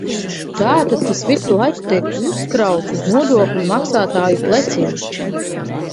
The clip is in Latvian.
Tātad tas visu laiku tiek uzkrauts uz nodokļu maksātāju pleciem.